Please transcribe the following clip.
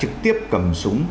trực tiếp tham gia vào đất nước